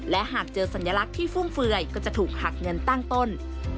และหากเจอสัญลักษณ์ที่ฟุ่มเฟือยก็จะถูกหักเงินตั้งต้น